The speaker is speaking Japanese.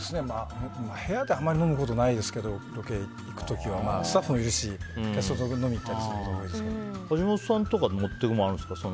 部屋であまり飲むことないですけどスタッフもいるしキャストさんと行くことが橋本さんとか持っていくものあるんですか？